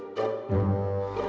itu musim buah pak ustadz